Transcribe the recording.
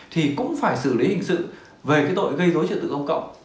thì cũng phải xử lý hình sự về cái tội gây dối trật tự công cộng